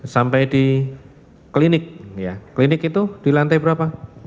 sampai di klinik klinik itu di lantai berapa